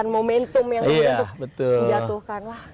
dan momentum yang ada untuk jatuhkan